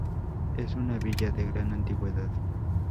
Es una villa de gran antigüedad.